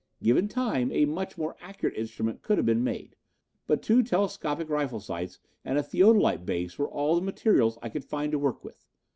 Given time, a much more accurate instrument could have been made, but two telescopic rifle sights and a theodolite base were all the materials I could find to work with.